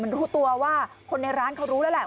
มันรู้ตัวว่าคนในร้านเขารู้แล้วแหละ